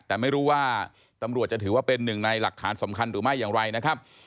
แต่ไม่รู้ว่าตำรวจจะถือว่าเป็นหนึ่งในหลักฐานสำคัญหรือไม่อย่างไรนะครับ